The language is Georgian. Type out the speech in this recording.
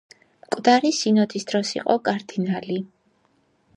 მკვდარი სინოდის დროს იყო კარდინალი.